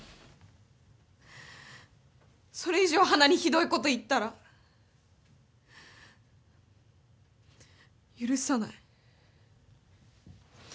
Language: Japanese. それ以上花に、ひどいこと言ったら許さない。